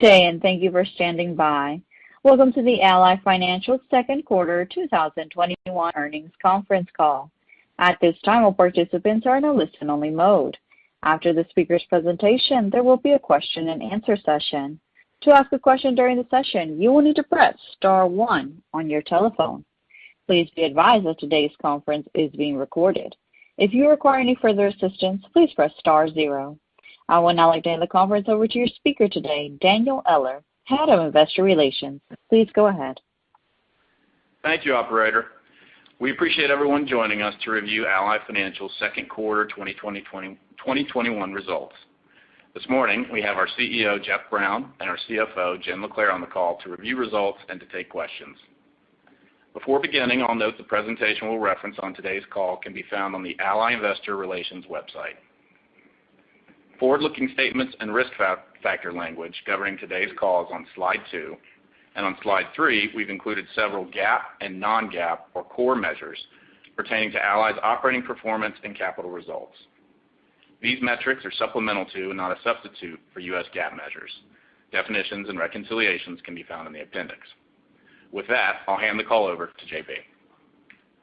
Good day, and thank you for standing by. Welcome to the Ally Financial Second Quarter 2021 Earnings Conference Call. At this time, all participants are in a listen-only mode. After the speaker's presentation, there will be a question and answer session. To ask a question during the session, you will need to press star one on your telephone. Please be advised that today's conference is being recorded. If you require any further assistance, please press star zero. I would now like to hand the conference over to your speaker today, Daniel Eller, Head of Investor Relations. Please go ahead. Thank you, operator. We appreciate everyone joining us to review Ally Financial's second quarter 2021 results. This morning, we have our CEO, Jeff Brown, and our CFO, Jenn LaClair, on the call to review results and to take questions. Before beginning, I'll note the presentation we'll reference on today's call can be found on the Ally Investor Relations website. Forward-looking statements and risk factor language covering today's call is on slide two, and on slide three, we've included several GAAP and non-GAAP or core measures pertaining to Ally's operating performance and capital results. These metrics are supplemental to and not a substitute for U.S. GAAP measures. Definitions and reconciliations can be found in the appendix. With that, I'll hand the call over to J.B.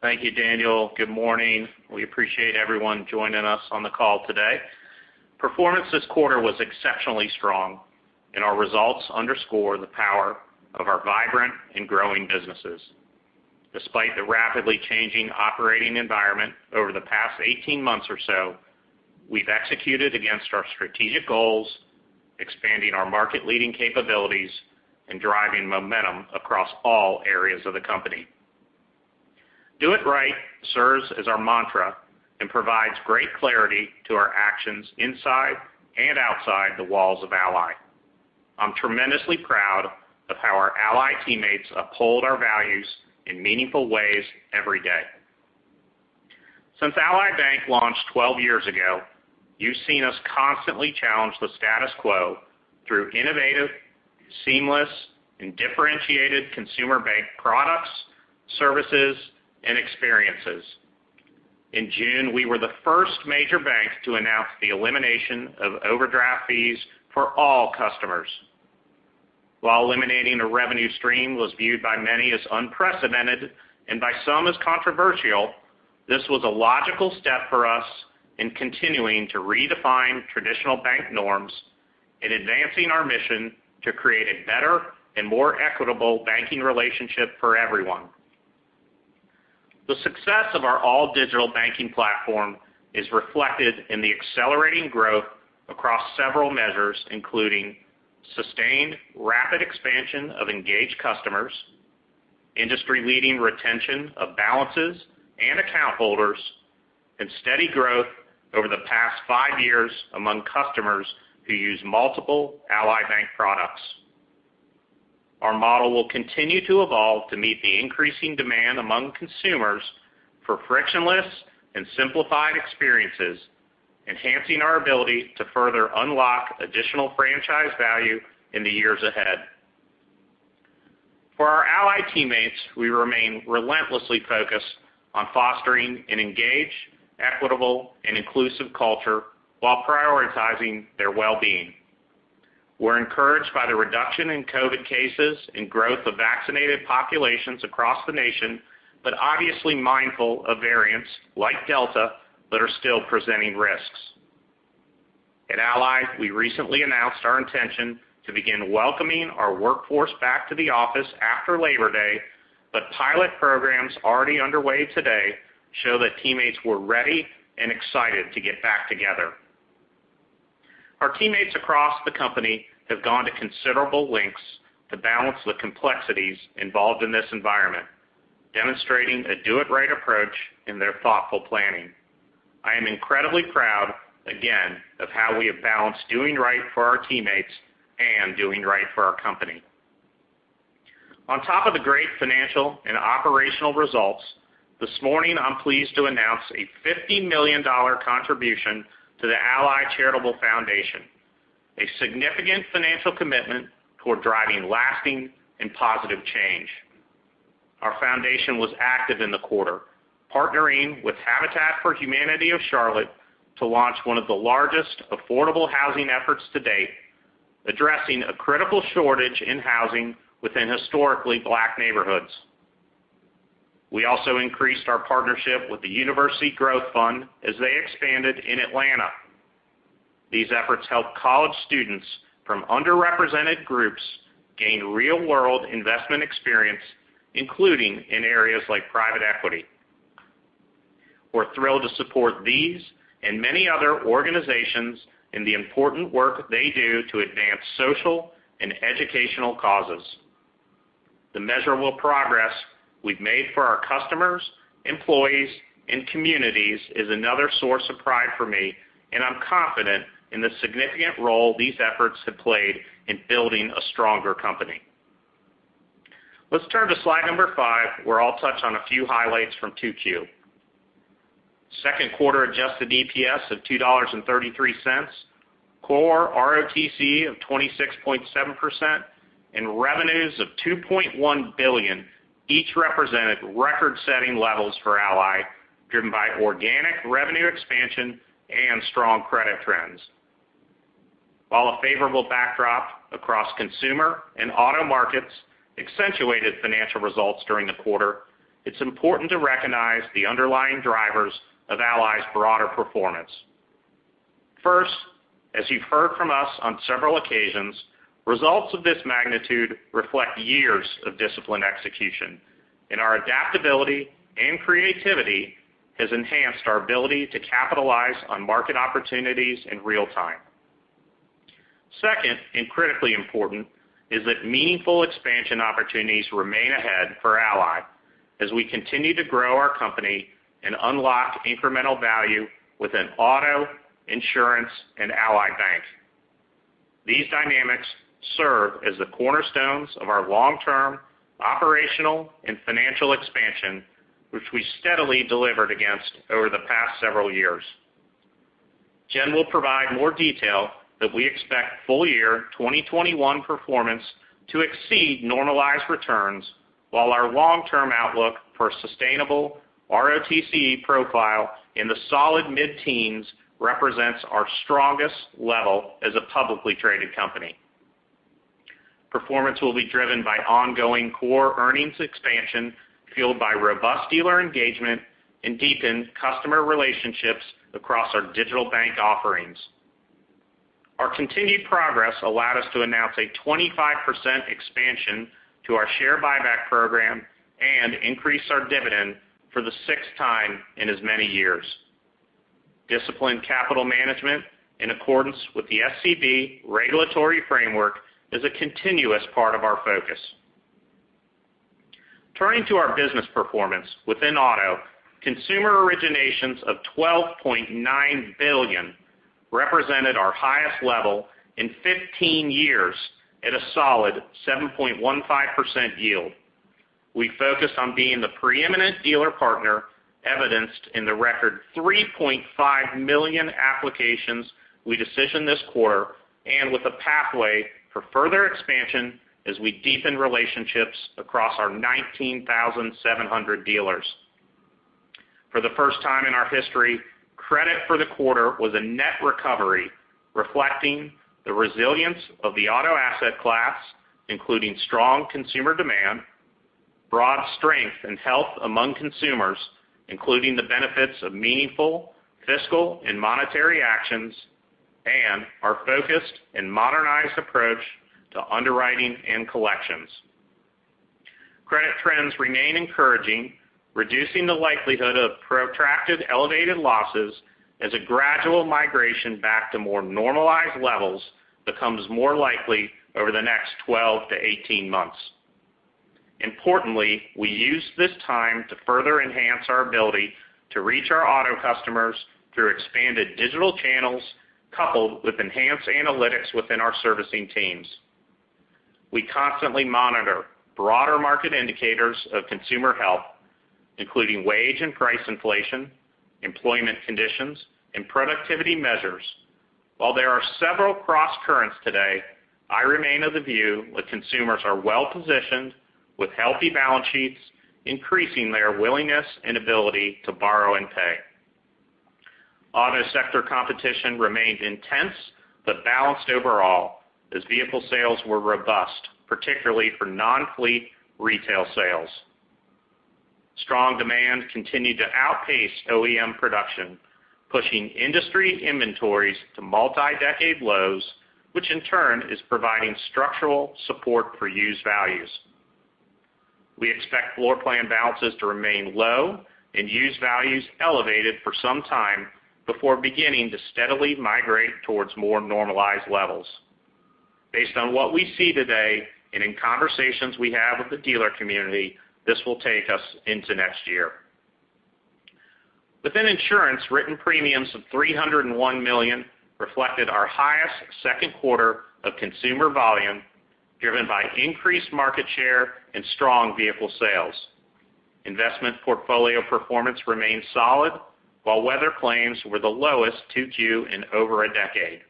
Thank you, Daniel. Good morning. We appreciate everyone joining us on the call today. Performance this quarter was exceptionally strong, and our results underscore the power of our vibrant and growing businesses. Despite the rapidly changing operating environment over the past 18 months or so, we've executed against our strategic goals, expanding our market-leading capabilities and driving momentum across all areas of the company. Do it right serves as our mantra and provides great clarity to our actions inside and outside the walls of Ally. I'm tremendously proud of how our Ally teammates uphold our values in meaningful ways every day. Since Ally Bank launched 12 years ago, you've seen us constantly challenge the status quo through innovative, seamless, and differentiated consumer bank products, services, and experiences. In June, we were the first major bank to announce the elimination of overdraft fees for all customers. While eliminating a revenue stream was viewed by many as unprecedented and by some as controversial, this was a logical step for us in continuing to redefine traditional bank norms in advancing our mission to create a better and more equitable banking relationship for everyone. The success of our all-digital banking platform is reflected in the accelerating growth across several measures, including sustained rapid expansion of engaged customers, industry-leading retention of balances and account holders, and steady growth over the past years among customers who use multiple Ally Bank products. Our model will continue to evolve to meet the increasing demand among consumers for frictionless and simplified experiences, enhancing our ability to further unlock additional franchise value in the years ahead. For our Ally teammates, we remain relentlessly focused on fostering an engaged, equitable, and inclusive culture while prioritizing their well-being. We're encouraged by the reduction in COVID cases and growth of vaccinated populations across the nation. Obviously mindful of variants like Delta that are still presenting risks. At Ally, we recently announced our intention to begin welcoming our workforce back to the office after Labor Day. Pilot programs already underway today show that teammates were ready and excited to get back together. Our teammates across the company have gone to considerable lengths to balance the complexities involved in this environment, demonstrating a do-it-right approach in their thoughtful planning. I am incredibly proud, again, of how we have balanced doing right for our teammates and doing right for our company. On top of the great financial and operational results, this morning I'm pleased to announce a $50 million contribution to the Ally Charitable Foundation, a significant financial commitment toward driving lasting and positive change. Our Foundation was active in the quarter, partnering with Habitat for Humanity of the Charlotte Region to launch one of the largest affordable housing efforts to date, addressing a critical shortage in housing within historically black neighborhoods. We also increased our partnership with the University Growth Fund as they expanded in Atlanta. These efforts help college students from underrepresented groups gain real-world investment experience, including in areas like private equity. We're thrilled to support these and many other organizations in the important work they do to advance social and educational causes. The measurable progress we've made for our customers, employees, and communities is another source of pride for me. I'm confident in the significant role these efforts have played in building a stronger company. Let's turn to slide number five, where I'll touch on a few highlights from 2Q. Second quarter adjusted EPS of $2.33, core ROTCE of 26.7%, and revenues of $2.1 billion, each represented record-setting levels for Ally, driven by organic revenue expansion and strong credit trends. While a favorable backdrop across consumer and auto markets accentuated financial results during the quarter, it's important to recognize the underlying drivers of Ally's broader performance. First, as you've heard from us on several occasions, results of this magnitude reflect years of disciplined execution, and our adaptability and creativity has enhanced our ability to capitalize on market opportunities in real time. Second, and critically important, is that meaningful expansion opportunities remain ahead for Ally as we continue to grow our company and unlock incremental value within auto insurance and Ally Bank. These dynamics serve as the cornerstones of our long-term operational and financial expansion, which we steadily delivered against over the past several years. Jenn will provide more detail that we expect full year 2021 performance to exceed normalized returns, while our long-term outlook for a sustainable ROTCE profile in the solid mid-teens represents our strongest level as a publicly traded company. Performance will be driven by ongoing core earnings expansion, fueled by robust dealer engagement and deepened customer relationships across our digital bank offerings. Our continued progress allowed us to announce a 25% expansion to our share buyback program and increase our dividend for the sixth time in as many years. Disciplined capital management, in accordance with the SCB regulatory framework, is a continuous part of our focus. Turning to our business performance within auto, consumer originations of $12.9 billion represented our highest level in 15 years at a solid 7.15% yield. We focused on being the preeminent dealer partner, evidenced in the record 3.5 million applications we decisioned this quarter and with a pathway for further expansion as we deepen relationships across our 19,700 dealers. For the first time in our history, credit for the quarter was a net recovery, reflecting the resilience of the auto asset class, including strong consumer demand, broad strength and health among consumers, including the benefits of meaningful fiscal and monetary actions, and our focused and modernized approach to underwriting and collections. Credit trends remain encouraging, reducing the likelihood of protracted elevated losses as a gradual migration back to more normalized levels becomes more likely over the next 12-18 months. Importantly, we used this time to further enhance our ability to reach our auto customers through expanded digital channels, coupled with enhanced analytics within our servicing teams. We constantly monitor broader market indicators of consumer health, including wage and price inflation, employment conditions, and productivity measures. While there are several crosscurrents today, I remain of the view that consumers are well-positioned with healthy balance sheets, increasing their willingness and ability to borrow and pay. Auto sector competition remained intense but balanced overall as vehicle sales were robust, particularly for non-fleet retail sales. Strong demand continued to outpace OEM production, pushing industry inventories to multi-decade lows, which in turn is providing structural support for used values. We expect floor plan balances to remain low and used values elevated for some time before beginning to steadily migrate towards more normalized levels. Based on what we see today and in conversations we have with the dealer community, this will take us into next year. Within insurance, written premiums of $301 million reflected our highest second quarter of consumer volume, driven by increased market share and strong vehicle sales. Investment portfolio performance remained solid, while weather claims were the lowest 2Q in over a decade.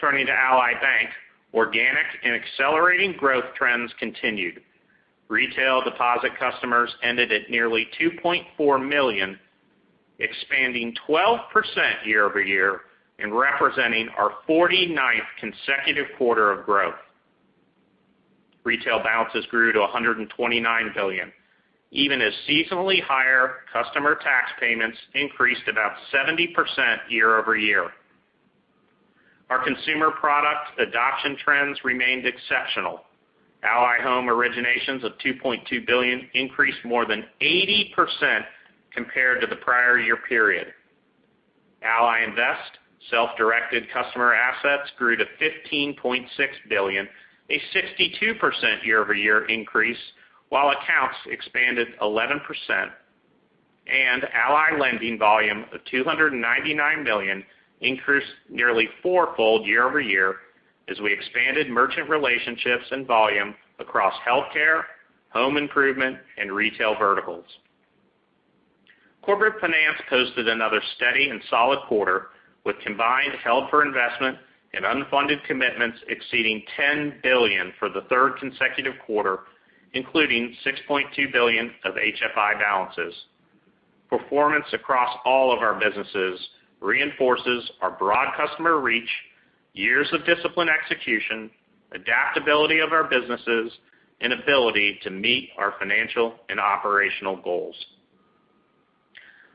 Turning to Ally Bank, organic and accelerating growth trends continued. Retail deposit customers ended at nearly $2.4 million, expanding 12% year-over-year and representing our 49th consecutive quarter of growth. Retail balances grew to $129 billion, even as seasonally higher customer tax payments increased about 70% year-over-year. Our consumer product adoption trends remained exceptional. Ally Home originations of $2.2 billion increased more than 80% compared to the prior year period. Ally Invest self-directed customer assets grew to $15.6 billion, a 62% year-over-year increase, while accounts expanded 11%. Ally Lending volume of $299 million increased nearly four-fold year-over-year as we expanded merchant relationships and volume across healthcare, home improvement, and retail verticals. Corporate finance posted another steady and solid quarter with combined held for investment and unfunded commitments exceeding $10 billion for the third consecutive quarter, including $6.2 billion of HFI balances. Performance across all of our businesses reinforces our broad customer reach, years of disciplined execution, adaptability of our businesses, and ability to meet our financial and operational goals.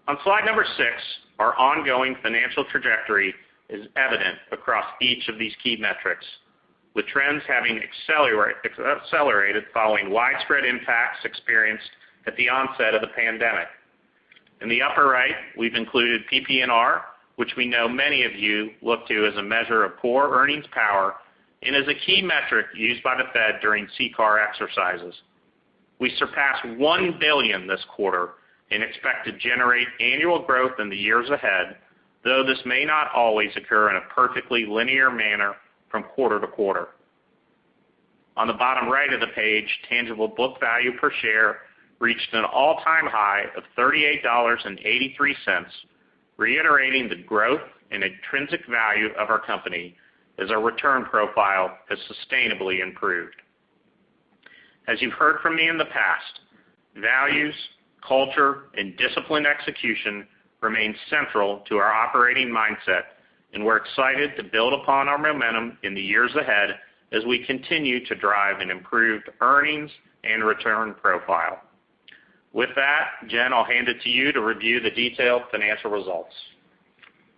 On slide number six, our ongoing financial trajectory is evident across each of these key metrics, with trends having accelerated following widespread impacts experienced at the onset of the pandemic. In the upper right, we've included PPNR, which we know many of you look to as a measure of core earnings power and as a key metric used by the Fed during CCAR exercises. We surpassed $1 billion this quarter and expect to generate annual growth in the years ahead, though this may not always occur in a perfectly linear manner from quarter to quarter. On the bottom right of the page, tangible book value per share reached an all-time high of $38.83, reiterating the growth and intrinsic value of our company as our return profile has sustainably improved. We're excited to build upon our momentum in the years ahead as we continue to drive an improved earnings and return profile. With that, Jenn, I'll hand it to you to review the detailed financial results.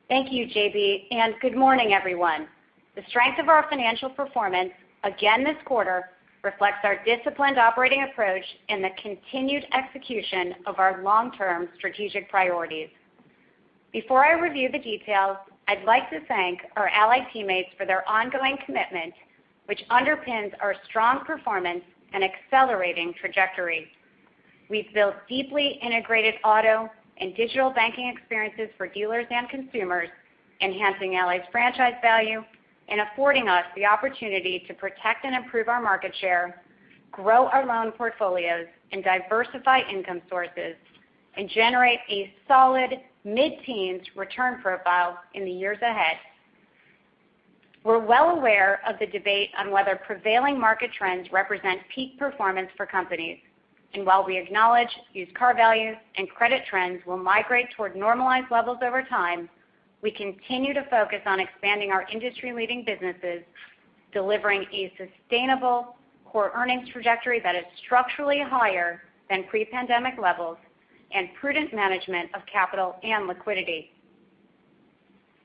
Thank you, J.B., and good morning, everyone. The strength of our financial performance, again this quarter, reflects our disciplined operating approach and the continued execution of our long-term strategic priorities. Before I review the details, I'd like to thank our Ally teammates for their ongoing commitment, which underpins our strong performance and accelerating trajectory. We've built deeply integrated auto and digital banking experiences for dealers and consumers, enhancing Ally's franchise value and affording us the opportunity to protect and improve our market share, grow our loan portfolios, and diversify income sources, and generate a solid mid-teens return profile in the years ahead. We're well aware of the debate on whether prevailing market trends represent peak performance for companies. While we acknowledge used car values and credit trends will migrate toward normalized levels over time, we continue to focus on expanding our industry-leading businesses, delivering a sustainable core earnings trajectory that is structurally higher than pre-pandemic levels and prudent management of capital and liquidity.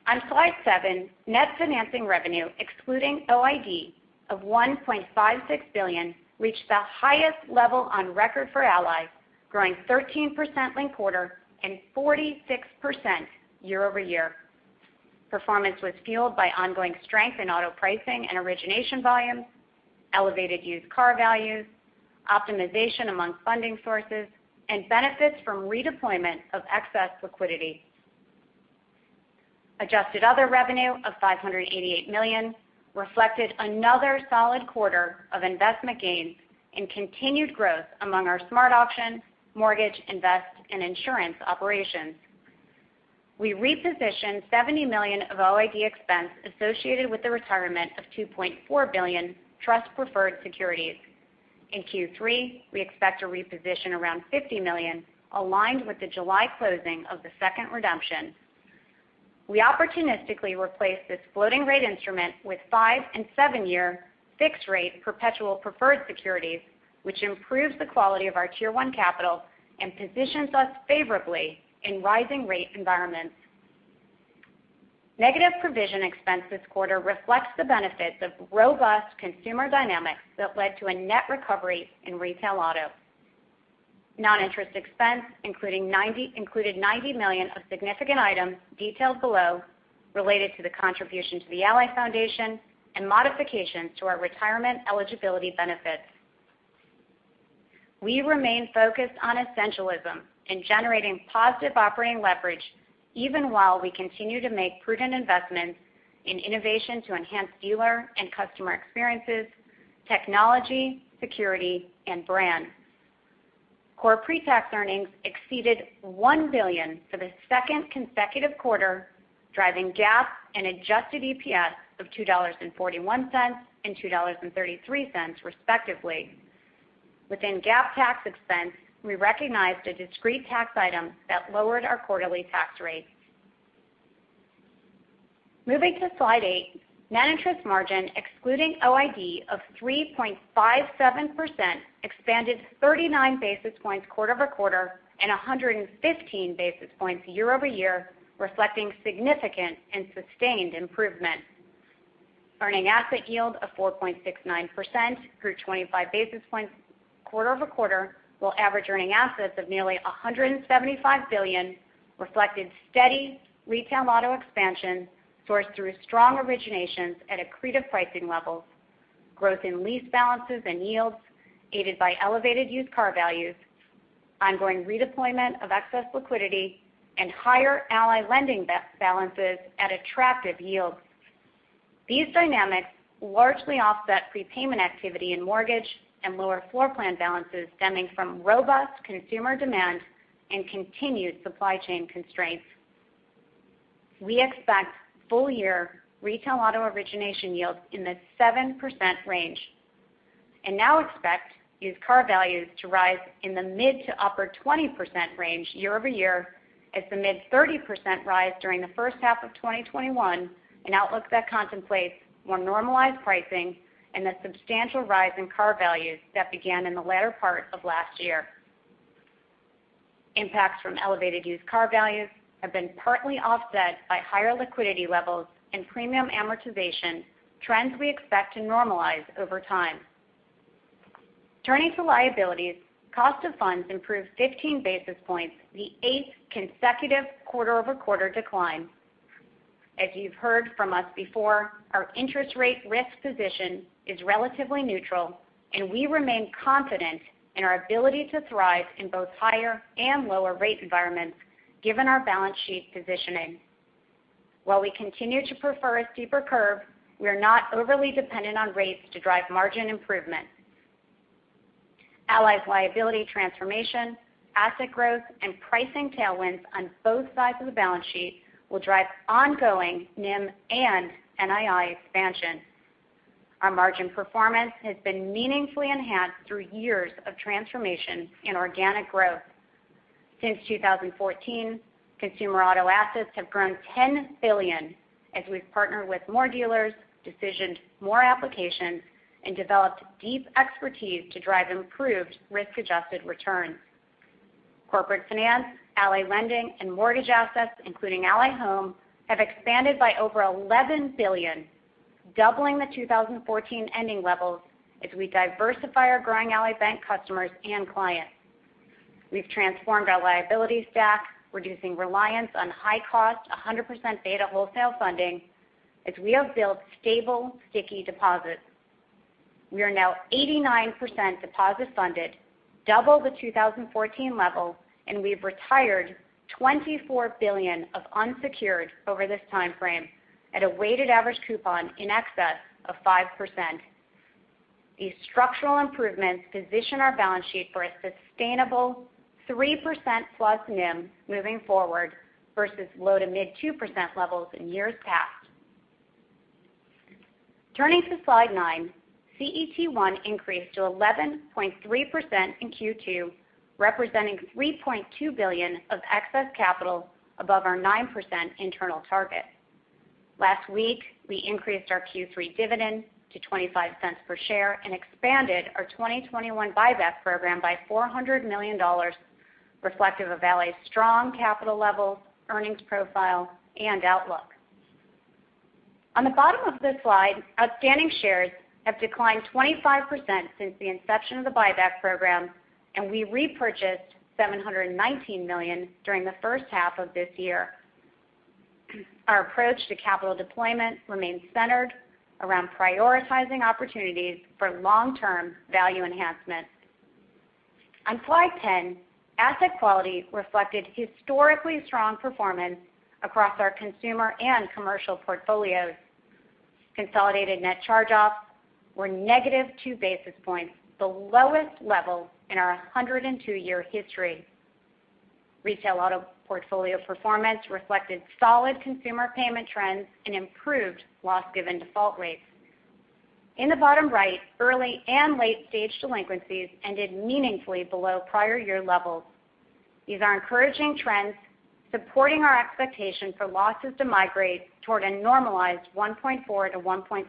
On slide seven, net financing revenue, excluding OID, of $1.56 billion, reached the highest level on record for Ally, growing 13% linked-quarter and 46% year-over-year. Performance was fueled by ongoing strength in auto pricing and origination volumes, elevated used car values, optimization among funding sources, and benefits from redeployment of excess liquidity. Adjusted other revenue of $588 million reflected another solid quarter of investment gains and continued growth among our SmartAuction, mortgage, Ally Invest, and insurance operations. We repositioned $70 million of OID expense associated with the retirement of $2.4 billion trust preferred securities. In Q3, we expect to reposition around $50 million aligned with the July closing of the second redemption. We opportunistically replaced this floating rate instrument with five- and seven-year fixed rate perpetual preferred securities, which improves the quality of our Tier 1 capital and positions us favorably in rising rate environments. Negative provision expense this quarter reflects the benefits of robust consumer dynamics that led to a net recovery in retail auto. Non-interest expense included $90 million of significant items, detailed below, related to the contribution to the Ally Foundation and modifications to our retirement eligibility benefits. We remain focused on essentialism and generating positive operating leverage even while we continue to make prudent investments in innovation to enhance dealer and customer experiences, technology, security, and brand. Core pre-tax earnings exceeded $1 billion for the second consecutive quarter, driving GAAP and adjusted EPS of $2.41 and $2.33, respectively. Within GAAP tax expense, we recognized a discrete tax item that lowered our quarterly tax rate. Moving to slide eight, net interest margin, excluding OID, of 3.57% expanded 39 basis points quarter-over-quarter and 115 basis points year-over-year, reflecting significant and sustained improvement. Earning asset yield of 4.69% grew 25 basis points quarter-over-quarter, while average earning assets of nearly $175 billion reflected steady retail auto expansion sourced through strong originations at accretive pricing levels, growth in lease balances and yields aided by elevated used car values, ongoing redeployment of excess liquidity, and higher Ally Lending balances at attractive yields. These dynamics largely offset prepayment activity in mortgage and lower floorplan balances stemming from robust consumer demand and continued supply chain constraints. We expect full-year retail auto origination yields in the 7% range and now expect used car values to rise in the mid-to-upper 20% range year-over-year as the mid-30% rise during the first half of 2021, an outlook that contemplates more normalized pricing and the substantial rise in car values that began in the latter part of last year. Impacts from elevated used car values have been partly offset by higher liquidity levels and premium amortization trends we expect to normalize over time. Turning to liabilities, cost of funds improved 15 basis points, the eighth consecutive quarter-over-quarter decline. As you've heard from us before, our interest rate risk position is relatively neutral, we remain confident in our ability to thrive in both higher and lower rate environments given our balance sheet positioning. While we continue to prefer a steeper curve, we are not overly dependent on rates to drive margin improvement. Ally's liability transformation, asset growth, and pricing tailwinds on both sides of the balance sheet will drive ongoing NIM and NII expansion. Our margin performance has been meaningfully enhanced through years of transformation and organic growth. Since 2014, consumer auto assets have grown $10 billion as we've partnered with more dealers, decisioned more applications, and developed deep expertise to drive improved risk-adjusted returns. Corporate finance, Ally Lending, and mortgage assets, including Ally Home, have expanded by over $11 billion, doubling the 2014 ending levels as we diversify our growing Ally Bank customers and clients. We've transformed our liabilities stack, reducing reliance on high-cost, 100% beta wholesale funding as we have built stable, sticky deposits. We are now 89% deposit-funded, double the 2014 level, and we've retired $24 billion of unsecured over this timeframe at a weighted average coupon in excess of 5%. These structural improvements position our balance sheet for a sustainable 3% plus NIM moving forward versus low to mid 2% levels in years past. Turning to slide nine, CET1 increased to 11.3% in Q2, representing $3.2 billion of excess capital above our 9% internal target. Last week, we increased our Q3 dividend to $0.25 per share and expanded our 2021 buyback program by $400 million, reflective of Ally's strong capital levels, earnings profile, and outlook. On the bottom of this slide, outstanding shares have declined 25% since the inception of the buyback program, and we repurchased $719 million during the first half of this year. Our approach to capital deployment remains centered around prioritizing opportunities for long-term value enhancement. On slide 10, asset quality reflected historically strong performance across our consumer and commercial portfolios. Consolidated net charge-offs were -2 basis points, the lowest level in our 102-year history. Retail auto portfolio performance reflected solid consumer payment trends and improved loss given default rates. In the bottom right, early and late-stage delinquencies ended meaningfully below prior year levels. These are encouraging trends supporting our expectation for losses to migrate toward a normalized 1.4%-1.6%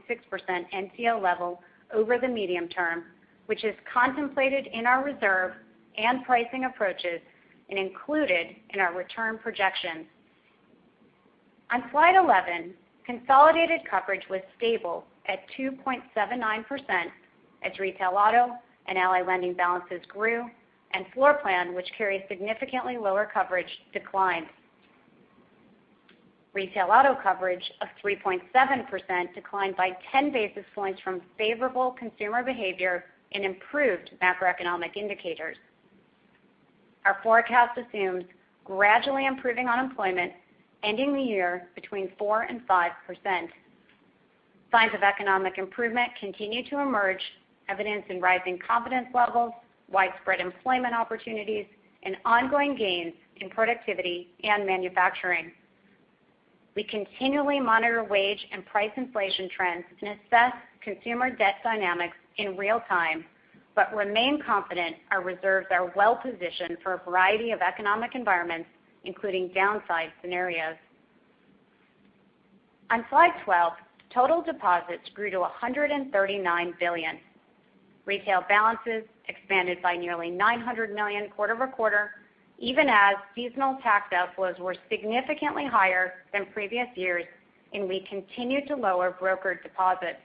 NCO level over the medium term, which is contemplated in our reserve and pricing approaches and included in our return projections. On slide 11, consolidated coverage was stable at 2.79% as retail auto and Ally Lending balances grew and floorplan, which carries significantly lower coverage, declined. Retail auto coverage of 3.7% declined by 10 basis points from favorable consumer behavior and improved macroeconomic indicators. Our forecast assumes gradually improving unemployment, ending the year between 4% and 5%. Signs of economic improvement continue to emerge, evidenced in rising confidence levels, widespread employment opportunities, and ongoing gains in productivity and manufacturing. We continually monitor wage and price inflation trends and assess consumer debt dynamics in real time but remain confident our reserves are well-positioned for a variety of economic environments, including downside scenarios. On slide 12, total deposits grew to $139 billion. Retail balances expanded by nearly $900 million quarter-over-quarter, even as seasonal tax outflows were significantly higher than previous years and we continued to lower brokered deposits.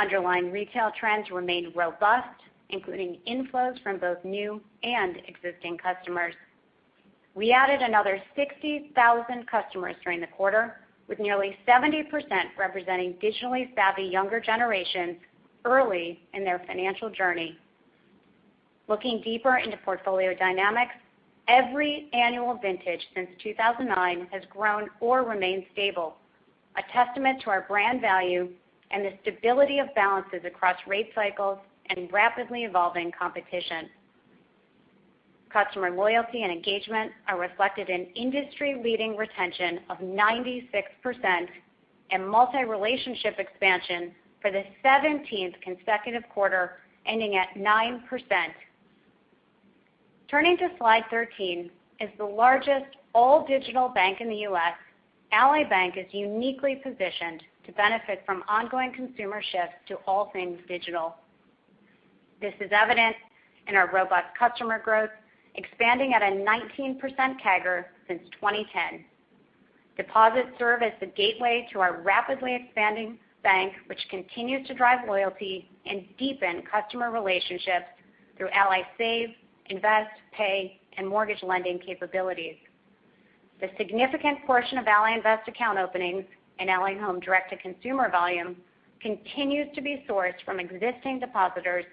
Underlying retail trends remained robust, including inflows from both new and existing customers. We added another 60,000 customers during the quarter, with nearly 70% representing digitally savvy younger generations early in their financial journey. Looking deeper into portfolio dynamics, every annual vintage since 2009 has grown or remained stable, a testament to our brand value and the stability of balances across rate cycles and rapidly evolving competition. Customer loyalty and engagement are reflected in industry-leading retention of 96% and multi-relationship expansion for the 17th consecutive quarter, ending at 9%. Turning to Slide 13, as the largest all-digital bank in the U.S., Ally Bank is uniquely positioned to benefit from ongoing consumer shifts to all things digital. This is evident in our robust customer growth, expanding at a 19% CAGR since 2010. Deposits serve as the gateway to our rapidly expanding bank, which continues to drive loyalty and deepen customer relationships through Ally Save, Ally Invest, Pay, and Mortgage Lending capabilities. The significant portion of Ally Invest account openings and Ally Home direct-to-consumer volume continues to be sourced from existing depositors,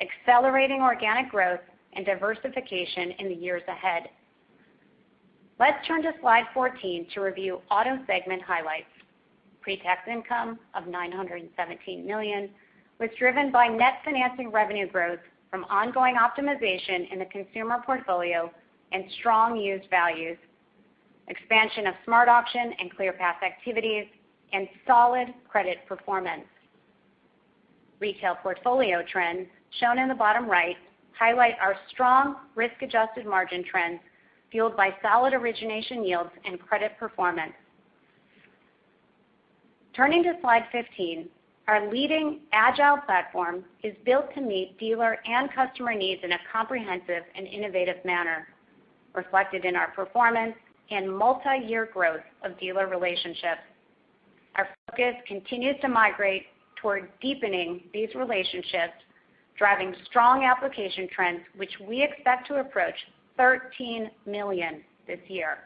accelerating organic growth and diversification in the years ahead. Let's turn to Slide 14 to review Auto segment highlights. Pre-tax income of $917 million was driven by net financing revenue growth from ongoing optimization in the consumer portfolio and strong used values, expansion of SmartAuction and ClearPath activities, and solid credit performance. Retail portfolio trends, shown in the bottom right, highlight our strong risk-adjusted margin trends fueled by solid origination yields and credit performance. Turning to Slide 15, our leading agile platform is built to meet dealer and customer needs in a comprehensive and innovative manner, reflected in our performance and multi-year growth of dealer relationships. Our focus continues to migrate toward deepening these relationships, driving strong application trends, which we expect to approach $13 million this year.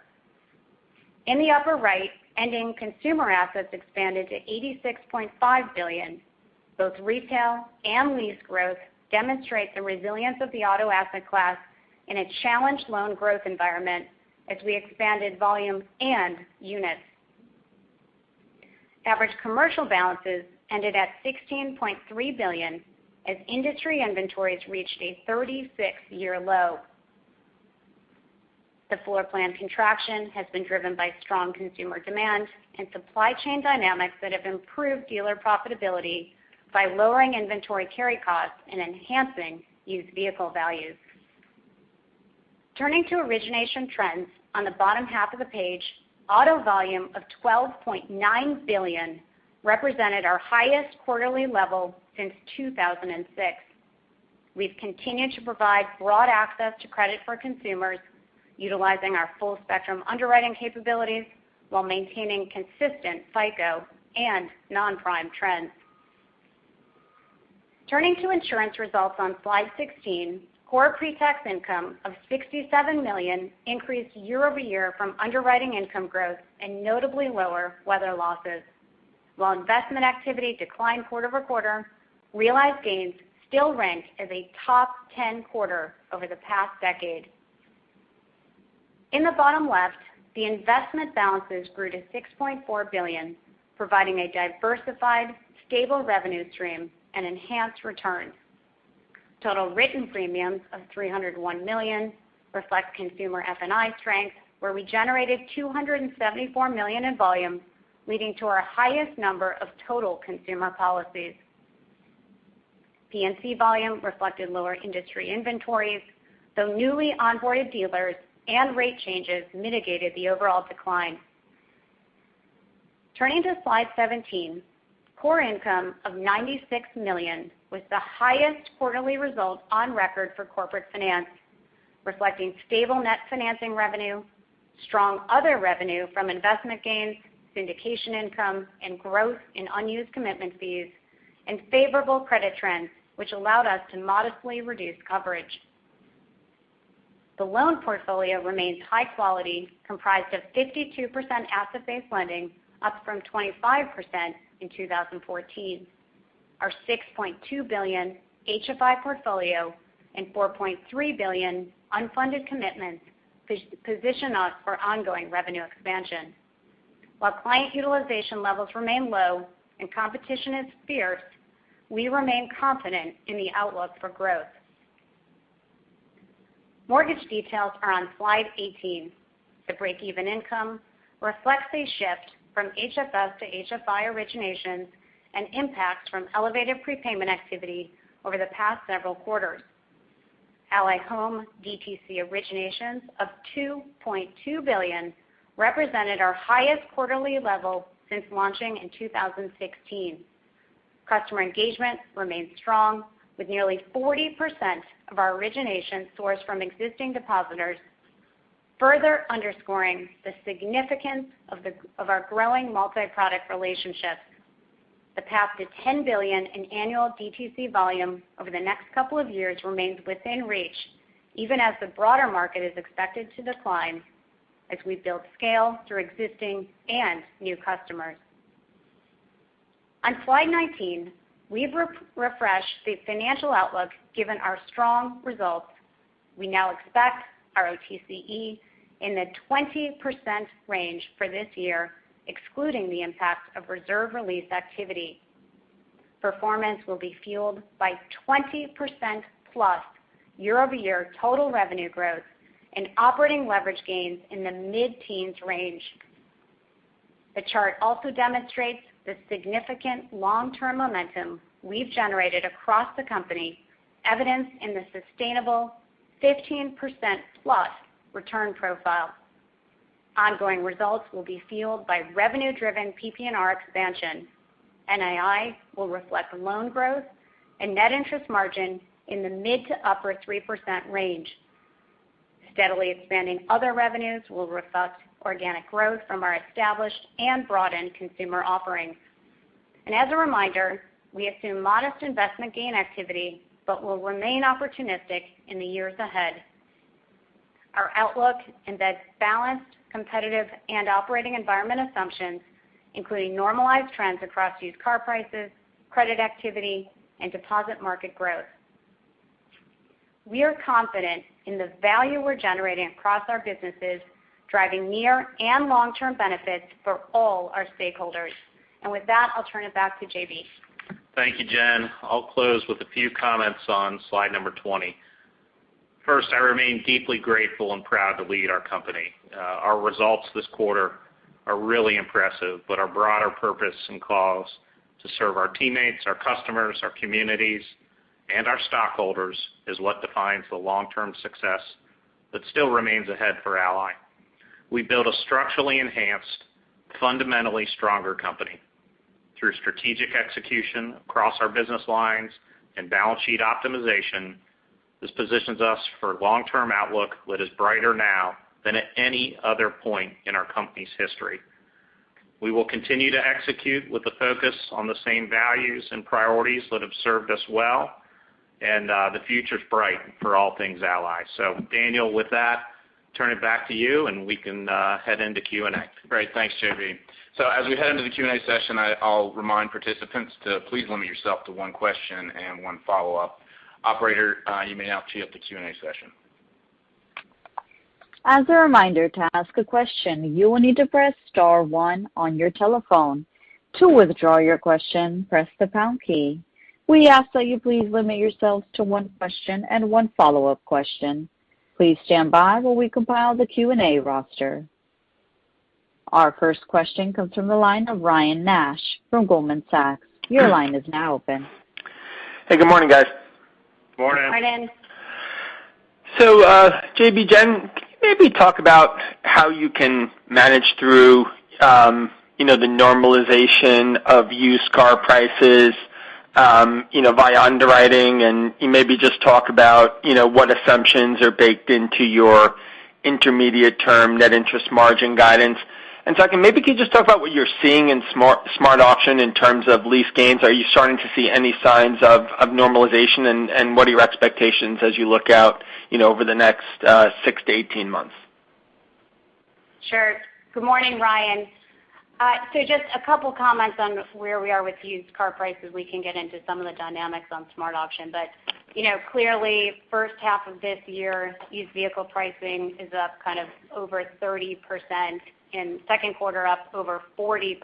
In the upper right, ending consumer assets expanded to $86.5 billion. Both retail and lease growth demonstrate the resilience of the auto asset class in a challenged loan growth environment, as we expanded volumes and units. Average commercial balances ended at $16.3 billion as industry inventories reached a 36-year low. The floor plan contraction has been driven by strong consumer demand and supply chain dynamics that have improved dealer profitability by lowering inventory carry costs and enhancing used vehicle values. Turning to origination trends on the bottom half of the page, auto volume of $12.9 billion represented our highest quarterly level since 2006. We've continued to provide broad access to credit for consumers, utilizing our full-spectrum underwriting capabilities while maintaining consistent FICO and non-prime trends. Turning to insurance results on Slide 16, core pre-tax income of $67 million increased year-over-year from underwriting income growth and notably lower weather losses. While investment activity declined quarter-over-quarter, realized gains still rank as a top 10 quarter over the past decade. In the bottom left, the investment balances grew to $6.4 billion, providing a diversified, stable revenue stream and enhanced returns. Total written premiums of $301 million reflect consumer F&I strength, where we generated $274 million in volume, leading to our highest number of total consumer policies. P&C volume reflected lower industry inventories, though newly onboarded dealers and rate changes mitigated the overall decline. Turning to Slide 17, core income of $96 million was the highest quarterly result on record for corporate finance, reflecting stable net financing revenue, strong other revenue from investment gains, syndication income, and growth in unused commitment fees, and favorable credit trends, which allowed us to modestly reduce coverage. The loan portfolio remains high quality, comprised of 52% asset-based lending, up from 25% in 2014. Our $6.2 billion HFI portfolio and $4.3 billion unfunded commitments position us for ongoing revenue expansion. While client utilization levels remain low and competition is fierce, we remain confident in the outlook for growth. Mortgage details are on Slide 18. The break-even income reflects a shift from HFS to HFI originations and impacts from elevated prepayment activity over the past several quarters. Ally Home DTC originations of $2.2 billion represented our highest quarterly level since launching in 2016. Customer engagement remains strong, with nearly 40% of our originations sourced from existing depositors, further underscoring the significance of our growing multi-product relationships. The path to $10 billion in annual DTC volume over the next couple of years remains within reach, even as the broader market is expected to decline, as we build scale through existing and new customers. On Slide 19, we've refreshed the financial outlook given our strong results. We now expect our ROTCE in the 20% range for this year, excluding the impact of reserve release activity. Performance will be fueled by 20% plus year-over-year total revenue growth and operating leverage gains in the mid-teens range. The chart also demonstrates the significant long-term momentum we've generated across the company, evidenced in the sustainable 15%+ return profile. Ongoing results will be fueled by revenue-driven PPNR expansion. NII will reflect loan growth and net interest margin in the mid to upper 3% range. Steadily expanding other revenues will reflect organic growth from our established and broadened consumer offerings. As a reminder, we assume modest investment gain activity but will remain opportunistic in the years ahead. Our outlook embeds balanced, competitive, and operating environment assumptions, including normalized trends across used car prices, credit activity, and deposit market growth. We are confident in the value we're generating across our businesses, driving near and long-term benefits for all our stakeholders. With that, I'll turn it back to J.B. Thank you, Jenn. I'll close with a few comments on slide number 20. First, I remain deeply grateful and proud to lead our company. Our results this quarter are really impressive, but our broader purpose and cause to serve our teammates, our customers, our communities, and our stockholders is what defines the long-term success that still remains ahead for Ally. We built a structurally enhanced, fundamentally stronger company through strategic execution across our business lines and balance sheet optimization. This positions us for a long-term outlook that is brighter now than at any other point in our company's history. We will continue to execute with a focus on the same values and priorities that have served us well, and the future's bright for all things Ally. Daniel, with that, turn it back to you, and we can head into Q&A. Great. Thanks, J.B. As we head into the Q&A session, I'll remind participants to please limit yourself to one question and one follow-up. Operator, you may now queue up the Q&A session. Our first question comes from the line of Ryan Nash from Goldman Sachs. Hey, good morning, guys. Morning. Morning. J.B., Jenn, can you maybe talk about how you can manage through the normalization of used car prices by underwriting, and maybe just talk about what assumptions are baked into your intermediate-term net interest margin guidance. Second, maybe can you just talk about what you're seeing in SmartAuction in terms of lease gains? Are you starting to see any signs of normalization, and what are your expectations as you look out over the next 6-18 months? Sure. Good morning, Ryan. Just a couple of comments on where we are with used car prices. We can get into some of the dynamics on SmartAuction. Clearly, first half of this year, used vehicle pricing is up kind of over 30% in the second quarter, up over 40%.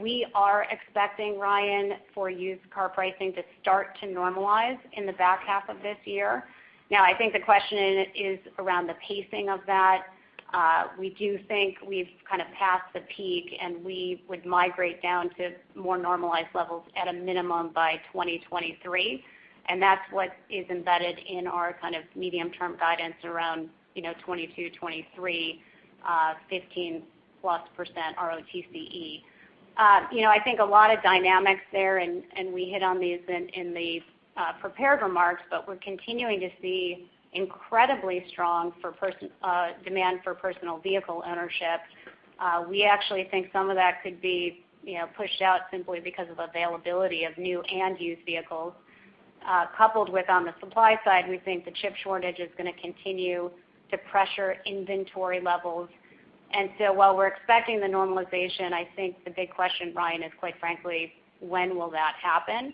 We are expecting, Ryan, for used car pricing to start to normalize in the back half of this year. I think the question is around the pacing of that. We do think we've kind of passed the peak, and we would migrate down to more normalized levels at a minimum by 2023. That's what is embedded in our kind of medium-term guidance around 2022, 2023, 15%+ ROTCE. I think a lot of dynamics there, and we hit on these in the prepared remarks, but we're continuing to see incredibly strong demand for personal vehicle ownership. We actually think some of that could be pushed out simply because of availability of new and used vehicles. Coupled with on the supply side, we think the chip shortage is going to continue to pressure inventory levels. While we're expecting the normalization, I think the big question, Ryan, is quite frankly, when will that happen?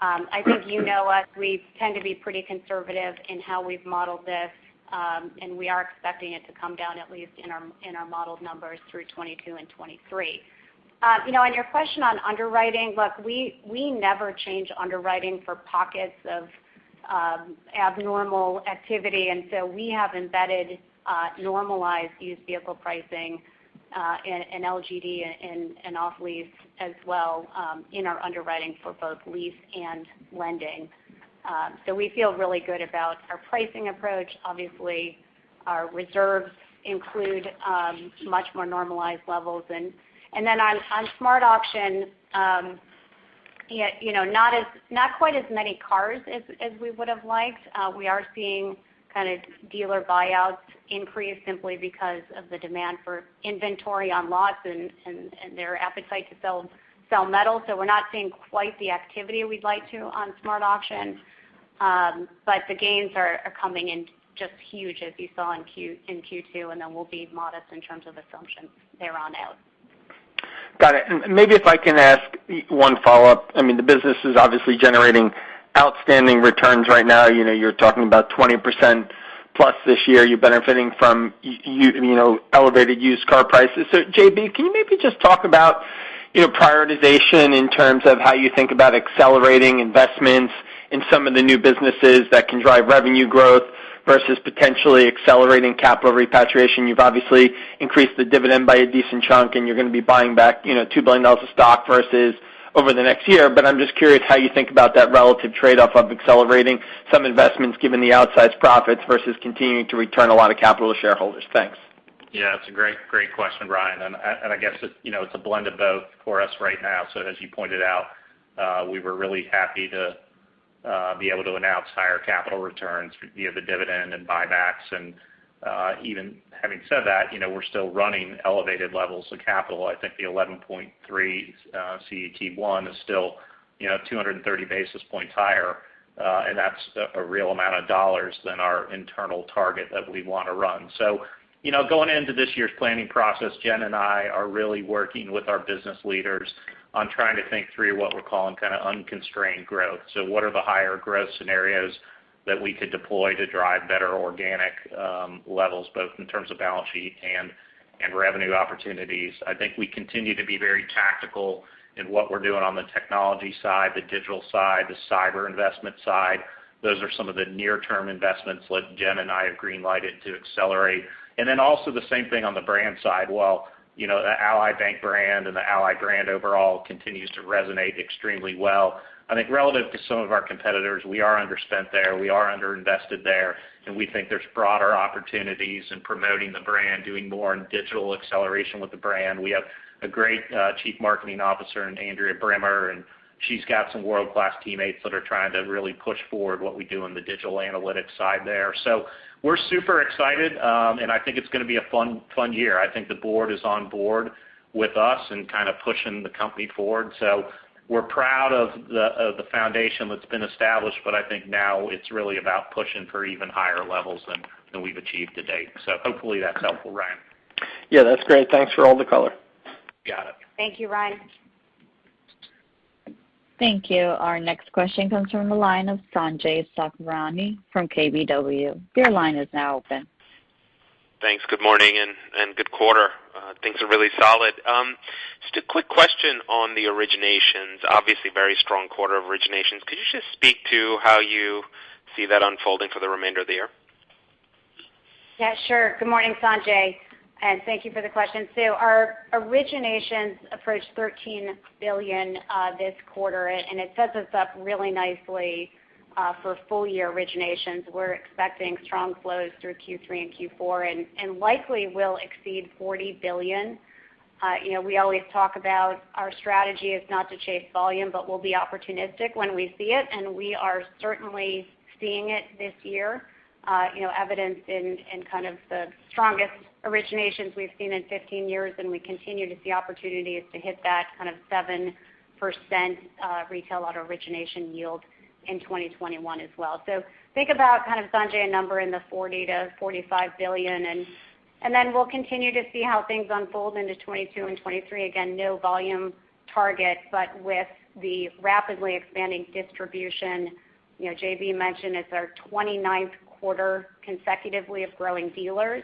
I think you know us. We tend to be pretty conservative in how we've modeled this, and we are expecting it to come down at least in our modeled numbers through 2022 and 2023. Your question on underwriting, look, we never change underwriting for pockets of abnormal activity. We have embedded normalized used vehicle pricing in LGD and off-lease as well in our underwriting for both lease and lending. We feel really good about our pricing approach. Obviously, our reserves include much more normalized levels. Then on SmartAuction, not quite as many cars as we would've liked. We are seeing kind of dealer buyouts increase simply because of the demand for inventory on lots and their appetite to sell metal. We're not seeing quite the activity we'd like to on SmartAuction. The gains are coming in just huge, as you saw in Q2, and then we'll be modest in terms of assumptions thereon out. Got it. Maybe if I can ask one follow-up. The business is obviously generating outstanding returns right now. You're talking about 20%+ this year. You're benefiting from elevated used car prices. J.B., can you maybe just talk about prioritization in terms of how you think about accelerating investments in some of the new businesses that can drive revenue growth versus potentially accelerating capital repatriation? You've obviously increased the dividend by a decent chunk, and you're going to be buying back $2 billion of stock versus over the next year. I'm just curious how you think about that relative trade-off of accelerating some investments given the outsized profits versus continuing to return a lot of capital to shareholders. Thanks. Yeah, it's a great question, Ryan. I guess it's a blend of both for us right now. As you pointed out, we were really happy to be able to announce higher capital returns via the dividend and buybacks. Even having said that, we're still running elevated levels of capital. I think the 11.3 CET1 is still 230 basis points higher. That's a real amount of dollars than our internal target that we want to run. Going into this year's planning process, Jenn and I are really working with our business leaders on trying to think through what we're calling unconstrained growth. What are the higher growth scenarios that we could deploy to drive better organic levels, both in terms of balance sheet and revenue opportunities? I think we continue to be very tactical in what we're doing on the technology side, the digital side, the cyber investment side. Those are some of the near-term investments that Jenn and I have green-lighted to accelerate. The same thing on the brand side. While the Ally Bank brand and the Ally brand overall continues to resonate extremely well, I think relative to some of our competitors, we are underspent there, we are under-invested there, and we think there's broader opportunities in promoting the brand, doing more in digital acceleration with the brand. We have a great Chief Marketing Officer in Andrea Brimmer, and she's got some world-class teammates that are trying to really push forward what we do on the digital analytics side there. We're super excited, and I think it's going to be a fun year. I think the board is on board with us and kind of pushing the company forward. We're proud of the foundation that's been established, but I think now it's really about pushing for even higher levels than we've achieved to date. Hopefully that's helpful, Ryan. Yeah, that's great. Thanks for all the color. Got it. Thank you, Ryan. Thank you. Our next question comes from the line of Sanjay Sakhrani from KBW. Your line is now open. Thanks. Good morning and good quarter. Things are really solid. Just a quick question on the originations. Obviously, very strong quarter of originations. Could you just speak to how you see that unfolding for the remainder of the year? Yeah, sure. Good morning, Sanjay, thank you for the question. Our originations approached $13 billion this quarter. It sets us up really nicely for full-year originations. We're expecting strong flows through Q3 and Q4, likely will exceed $40 billion. We always talk about our strategy is not to chase volume. We'll be opportunistic when we see it. We are certainly seeing it this year, evidenced in kind of the strongest originations we've seen in 15 years. We continue to see opportunities to hit that kind of 7% retail auto origination yield in 2021 as well. Think about, kind of, Sanjay, a number in the $40 billion-$45 billion. We'll continue to see how things unfold into 2022 and 2023. Again, no volume target, with the rapidly expanding distribution. J.B. mentioned it's our 29th quarter consecutively of growing dealers.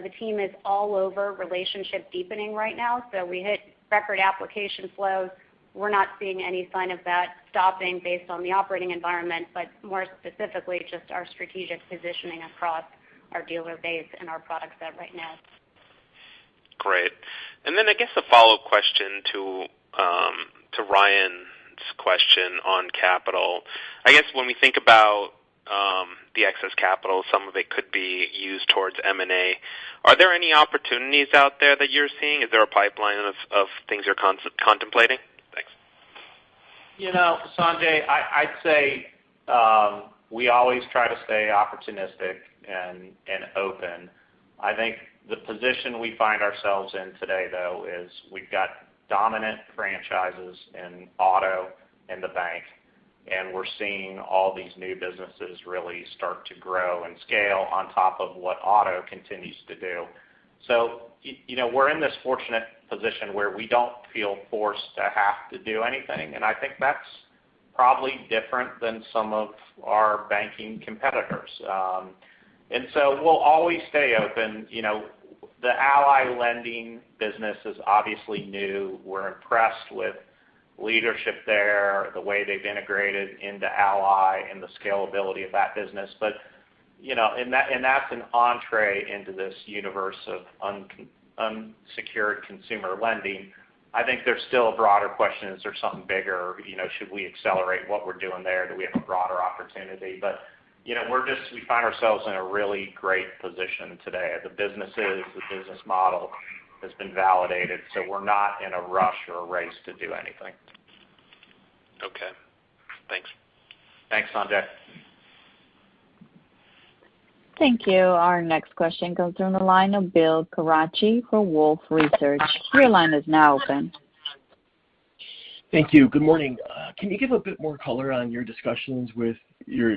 The team is all over relationship deepening right now. We hit record application flows. We are not seeing any sign of that stopping based on the operating environment, but more specifically, just our strategic positioning across our dealer base and our product set right now. Great. I guess a follow-up question to Ryan's question on capital. I guess when we think about the excess capital, some of it could be used towards M&A. Are there any opportunities out there that you're seeing? Is there a pipeline of things you're contemplating? Thanks. Sanjay, I'd say we always try to stay opportunistic and open. I think the position we find ourselves in today, though, is we've got dominant franchises in auto and the bank, and we're seeing all these new businesses really start to grow and scale on top of what auto continues to do. We're in this fortunate position where we don't feel forced to have to do anything, and I think that's probably different than some of our banking competitors. We'll always stay open. The Ally Lending business is obviously new. We're impressed with leadership there, the way they've integrated into Ally and the scalability of that business. That's an entrée into this universe of unsecured consumer lending. I think there's still a broader question, is there something bigger? Should we accelerate what we're doing there? Do we have a broader opportunity? We find ourselves in a really great position today. The businesses, the business model has been validated, so we're not in a rush or a race to do anything. Okay. Thanks. Thanks, Sanjay. Thank you. Our next question comes from the line of Bill Carcache for Wolfe Research. Your line is now open. Thank you. Good morning. Can you give a bit more color on your discussions with your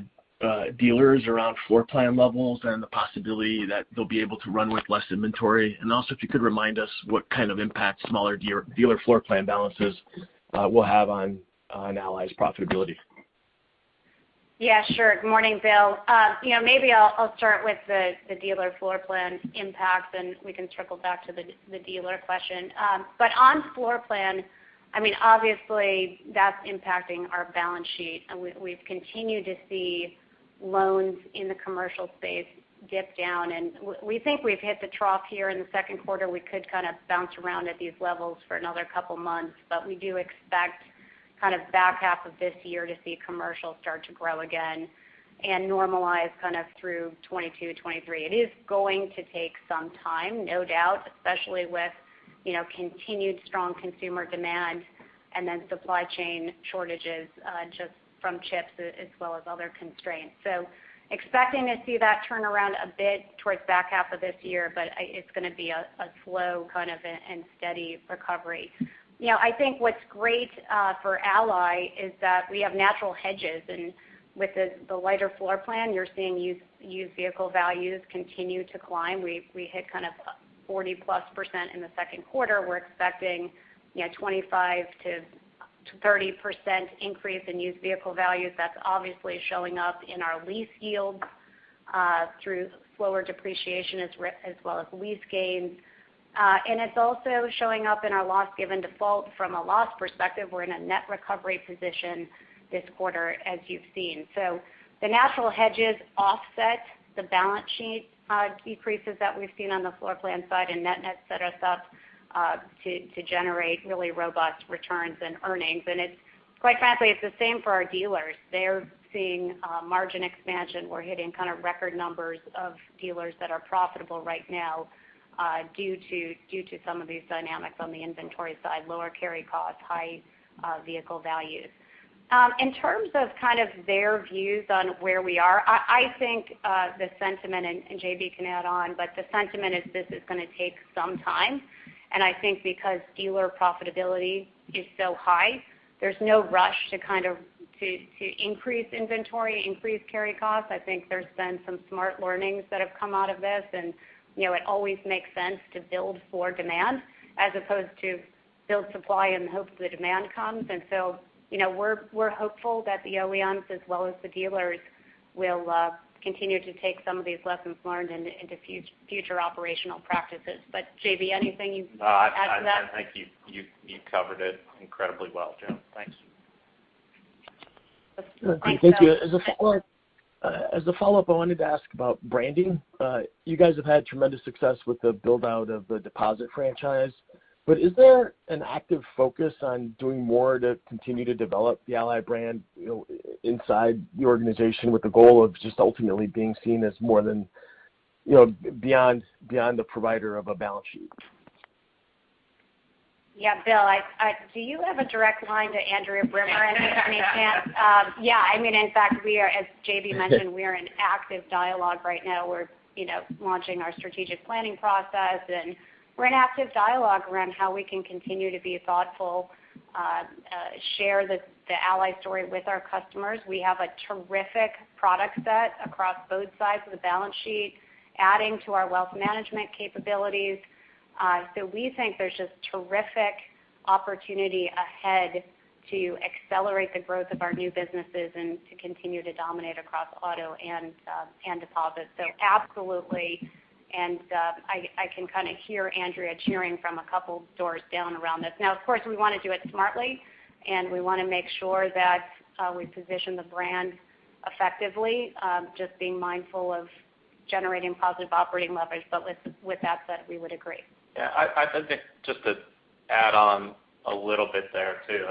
dealers around floor plan levels and the possibility that they'll be able to run with less inventory? Also, if you could remind us what kind of impact smaller dealer floor plan balances will have on Ally's profitability. Sure. Good morning, Bill. Maybe I'll start with the dealer floor plan impacts, and we can circle back to the dealer question. On floor plan, obviously that's impacting our balance sheet, and we've continued to see loans in the commercial space dip down, and we think we've hit the trough here in the second quarter. We could kind of bounce around at these levels for another couple of months. We do expect kind of back half of this year to see commercial start to grow again and normalize kind of through 2022, 2023. It is going to take some time, no doubt, especially with continued strong consumer demand and then supply chain shortages just from chips as well as other constraints. Expecting to see that turn around a bit towards back half of this year. It's going to be a slow and steady recovery. I think what's great for Ally is that we have natural hedges. With the lighter floor plan, you're seeing used vehicle values continue to climb. We hit kind of 40+% in the second quarter. We're expecting 25%-30% increase in used vehicle values. That's obviously showing up in our lease yields through slower depreciation as well as lease gains. It's also showing up in our loss given default. From a loss perspective, we're in a net recovery position this quarter, as you've seen. The natural hedges offset the balance sheet decreases that we've seen on the floor plan side, and net-net set us up to generate really robust returns and earnings. Quite frankly, it's the same for our dealers. They're seeing margin expansion. We're hitting kind of record numbers of dealers that are profitable right now due to some of these dynamics on the inventory side, lower carry costs, high vehicle values. In terms of kind of their views on where we are, I think the sentiment, and J.B. can add on, but the sentiment is this is going to take some time, and I think because dealer profitability is so high, there's no rush to increase inventory, increase carry costs. It always makes sense to build for demand as opposed to build supply and hope the demand comes. We're hopeful that the OEMs, as well as the dealers, will continue to take some of these lessons learned into future operational practices. J.B., anything you'd add to that? No, I think you covered it incredibly well, Jenn. Thanks. Bill- Thank you. As a follow-up, I wanted to ask about branding. You guys have had tremendous success with the build-out of the deposit franchise, but is there an active focus on doing more to continue to develop the Ally brand inside the organization with the goal of just ultimately being seen as more than beyond the provider of a balance sheet? Bill, do you have a direct line to Andrea Brimmer? In fact, as J.B. mentioned, we are in active dialogue right now. We're launching our strategic planning process, and we're in active dialogue around how we can continue to be thoughtful, share the Ally story with our customers. We have a terrific product set across both sides of the balance sheet, adding to our wealth management capabilities. We think there's just terrific opportunity ahead to accelerate the growth of our new businesses and to continue to dominate across auto and deposits. Absolutely. I can kind of hear Andrea cheering from a couple doors down around this. Of course, we want to do it smartly, and we want to make sure that we position the brand effectively, just being mindful of generating positive operating leverage. With that said, we would agree. Yeah. I think just to add on a little bit there, too.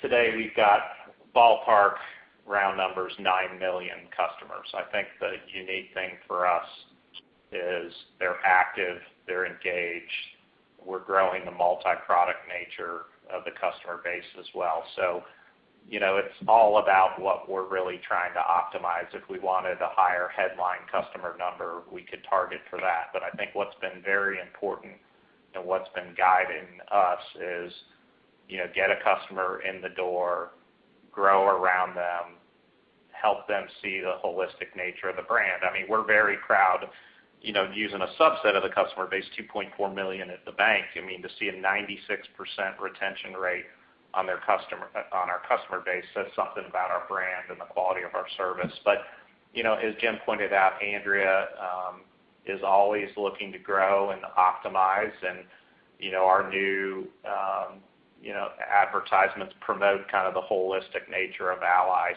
Today we've got ballpark round numbers, 9 million customers. I think the unique thing for us is they're active, they're engaged. We're growing the multi-product nature of the customer base as well. It's all about what we're really trying to optimize. If we wanted a higher headline customer number, we could target for that. I think what's been very important and what's been guiding us is get a customer in the door, grow around them, help them see the holistic nature of the brand. We're very proud using a subset of the customer base, 2.4 million at the bank. To see a 96% retention rate on our customer base says something about our brand and the quality of our service. As Jenn pointed out, Andrea Brimmer is always looking to grow and optimize, and our new advertisements promote kind of the holistic nature of Ally.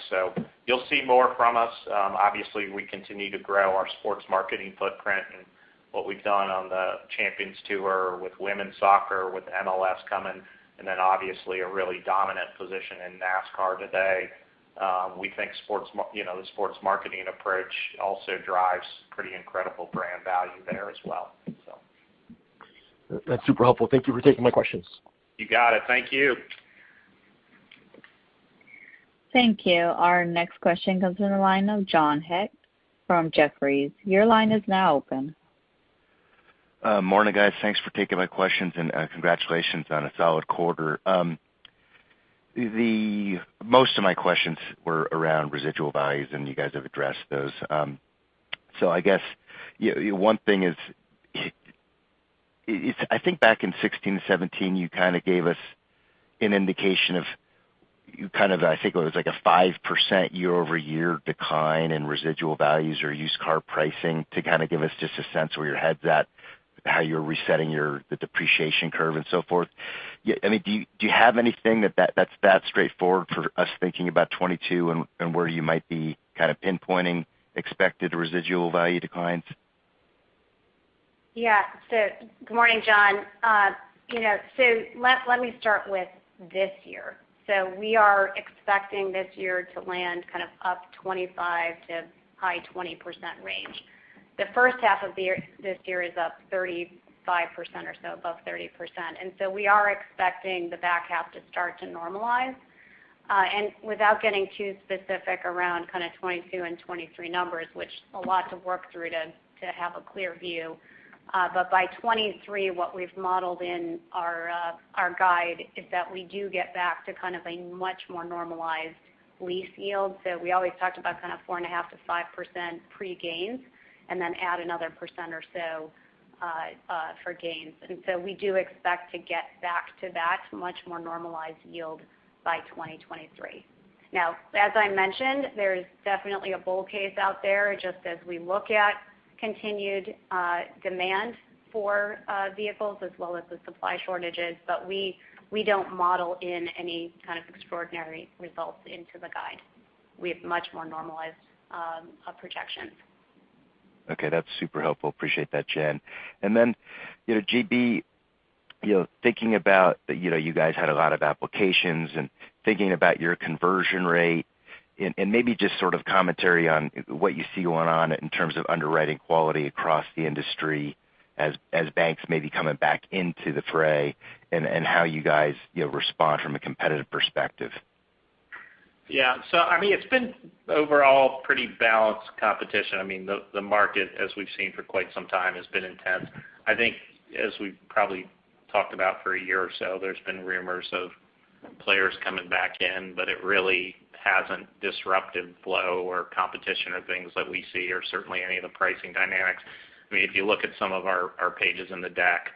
You'll see more from us. Obviously, we continue to grow our sports marketing footprint and what we've done on the champion's tour with women's soccer, with MLS coming, a really dominant position in NASCAR today. We think the sports marketing approach also drives pretty incredible brand value there as well. That's super helpful. Thank you for taking my questions. You got it. Thank you. Thank you. Our next question comes from the line of John Hecht from Jefferies. Your line is now open. Morning, guys. Thanks for taking my questions. Congratulations on a solid quarter. Most of my questions were around residual values, and you guys have addressed those. I guess one thing is, I think back in 2016 and 2017, you gave us an indication of, I think it was like a 5% year-over-year decline in residual values or used car pricing to give us just a sense where your head's at, how you're resetting the depreciation curve and so forth. Do you have anything that's that straightforward for us thinking about 2022 and where you might be pinpointing expected residual value declines? Yeah. Good morning, John. Let me start with this year. We are expecting this year to land up 25% to high 20% range. The first half of this year is up 35% or so above 30%. We are expecting the back half to start to normalize. Without getting too specific around 2022 and 2023 numbers, which a lot to work through to have a clear view. By 2023, what we've modeled in our guide is that we do get back to a much more normalized lease yield. We always talked about 4.5%-5% pre-gains, and then add another 1% or so for gains. We do expect to get back to that much more normalized yield by 2023. As I mentioned, there's definitely a bull case out there, just as we look at continued demand for vehicles as well as the supply shortages. We don't model in any kind of extraordinary results into the guide. We have much more normalized projections. Okay. That's super helpful. Appreciate that, Jenn. Then, J.B., thinking about you guys had a lot of applications and thinking about your conversion rate and maybe just sort of commentary on what you see going on in terms of underwriting quality across the industry as banks may be coming back into the fray and how you guys respond from a competitive perspective. Yeah. It's been overall pretty balanced competition. The market, as we've seen for quite some time, has been intense. I think as we've probably talked about for one year or so, there's been rumors of players coming back in, but it really hasn't disrupted flow or competition or things that we see or certainly any of the pricing dynamics. If you look at some of our pages in the deck,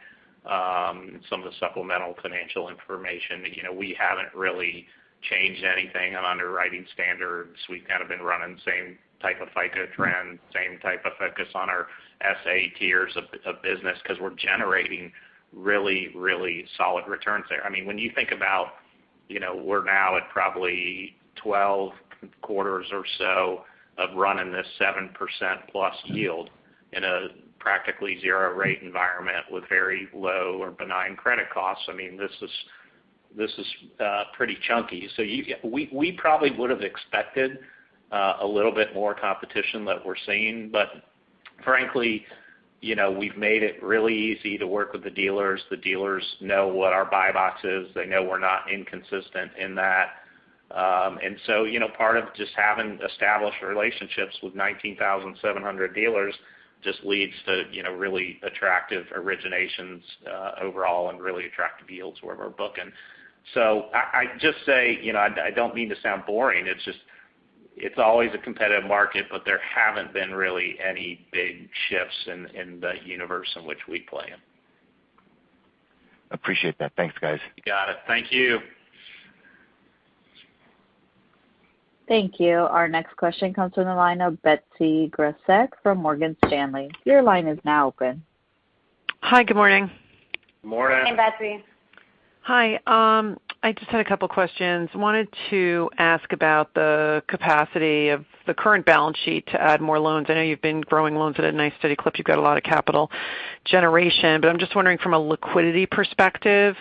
some of the supplemental financial information, we haven't really changed anything on underwriting standards. We've kind of been running the same type of FICO trend, same type of focus on our SA tiers of business because we're generating really solid returns there. When you think about we're now at probably 12 quarters or so of running this 7%+ yield in a practically zero rate environment with very low or benign credit costs, this is pretty chunky. We probably would've expected a little bit more competition than we're seeing. Frankly, we've made it really easy to work with the dealers. The dealers know what our buy box is. They know we're not inconsistent in that. Part of just having established relationships with 19,700 dealers just leads to really attractive originations overall and really attractive yields where we're booking. I just say, I don't mean to sound boring, it's always a competitive market, but there haven't been really any big shifts in the universe in which we play in. Appreciate that. Thanks, guys. You got it. Thank you. Thank you. Our next question comes from the line of Betsy Graseck from Morgan Stanley. Hi, good morning. Morning. Hey, Betsy. Hi. I just had a couple questions. Wanted to ask about the capacity of the current balance sheet to add more loans. I know you've been growing loans at a nice steady clip. You've got a lot of capital generation. I'm just wondering from a liquidity perspective,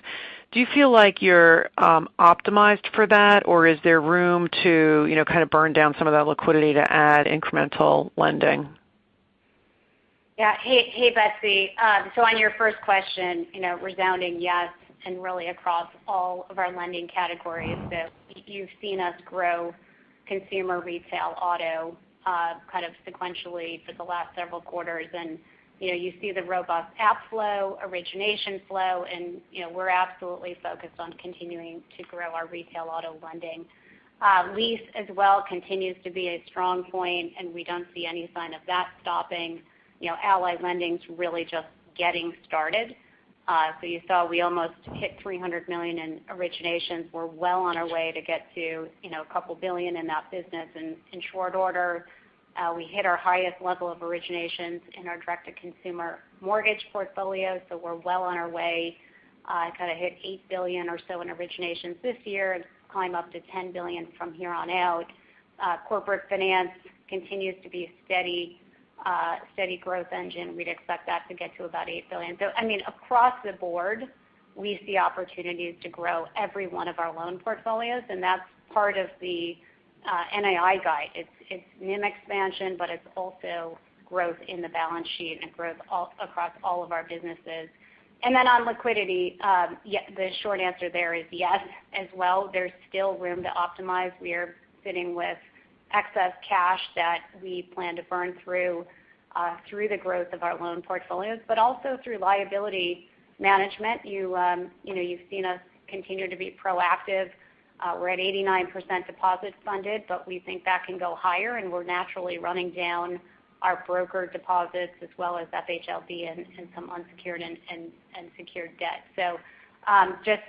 do you feel like you're optimized for that or is there room to kind of burn down some of that liquidity to add incremental lending? Yeah. Hey, Betsy. On your first question, resounding yes and really across all of our lending categories. You've seen us grow consumer retail auto sequentially for the last several quarters. You see the robust app flow, origination flow, and we're absolutely focused on continuing to grow our retail auto lending. Lease as well continues to be a strong point and we don't see any sign of that stopping. Ally Lending's really just getting started. You saw we almost hit $300 million in originations. We're well on our way to get to $2 billion in that business. In short order, we hit our highest level of originations in our direct-to-consumer mortgage portfolio. We're well on our way to hit $8 billion or so in originations this year and climb up to $10 billion from here on out. Corporate finance continues to be a steady growth engine. We'd expect that to get to about $8 billion. Across the board, we see opportunities to grow every one of our loan portfolios, and that's part of the NII guide. It's NIM expansion, but it's also growth in the balance sheet and growth across all of our businesses. On liquidity, the short answer there is yes as well. There's still room to optimize. We are sitting with excess cash that we plan to burn through the growth of our loan portfolios, but also through liability management. You've seen us continue to be proactive. We're at 89% deposit funded, but we think that can go higher, and we're naturally running down our broker deposits as well as FHLB and some unsecured and secured debt. Just